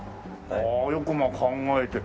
ああよくまあ考えて。